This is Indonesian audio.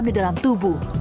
di dalam tubuh